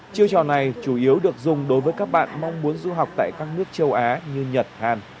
chiêu trò này chủ yếu được dùng đối với các bạn mong muốn du học tại các nước châu á như nhật hàn